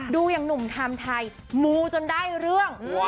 ดูอย่างหนุ่มไทม์ไทยมูจนได้เรื่อง